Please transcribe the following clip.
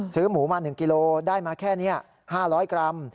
ซื้อหมูมา๑กิโลได้มาแค่นี้๕๐๐กรัม